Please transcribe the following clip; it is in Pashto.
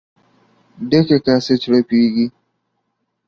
ډکه کاسه چړپېږي.